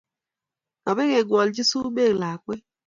Kabigengwolji sumek lakwet